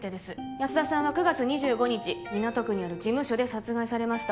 安田さんは９月２５日港区にある事務所で殺害されました